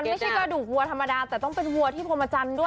ไม่ใช่กระดูกวัวธรรมดาแต่ต้องเป็นวัวที่พรมจันทร์ด้วย